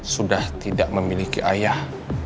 sudah tidak memiliki ayah